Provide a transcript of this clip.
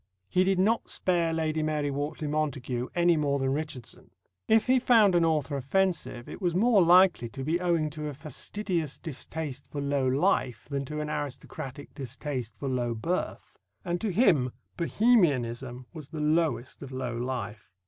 He did not spare Lady Mary Wortley Montagu any more than Richardson. If he found an author offensive, it was more likely to be owing to a fastidious distaste for low life than to an aristocratic distaste for low birth; and to him Bohemianism was the lowest of low life.